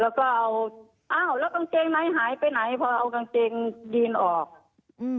แล้วก็เอาอ้าวแล้วกางเกงในหายไปไหนพอเอากางเกงยีนออกอืม